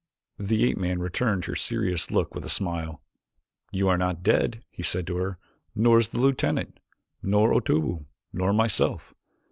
The ape man returned her serious look with a smile. "You are not dead," he said to her, "nor is the lieutenant, nor Otobu, nor myself.